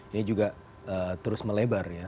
ini juga terus melebar